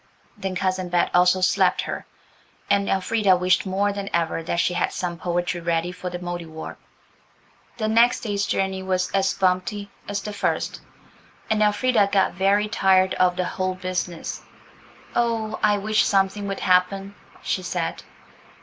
Then Cousin Bet also slapped her. And Elfrida wished more than ever that she had some poetry ready for the Mouldiwarp. The next day's journey was as bumpety. as the first, and Elfrida got very tired of the whole business. "Oh, I wish something would happen!" she said.